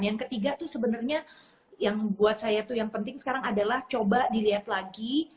yang ketiga tuh sebenarnya yang buat saya tuh yang penting sekarang adalah coba dilihat lagi